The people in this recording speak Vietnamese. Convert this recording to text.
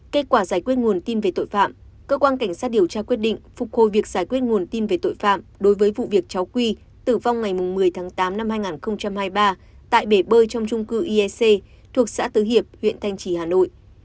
kết quả giải quyết nguồn tin về tội phạm cơ quan cảnh sát điều tra quyết định phục hồi việc giải quyết nguồn tin về tội phạm đối với vụ việc cháu quy tử vong ngày một mươi tháng tám năm hai nghìn hai mươi ba tại bể bơi trong trung cư iec thuộc xã tứ hiệp huyện thanh trì hà nội